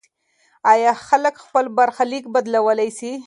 آیا خلک خپل برخلیک بدلولی سي؟